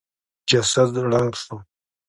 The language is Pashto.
جسد ړنګ شو.